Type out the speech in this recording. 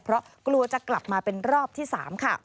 เพราะกลัวจะกลับมาเป็นรอบที่๓ค่ะ